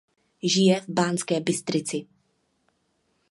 Žije v Banské Bystrici.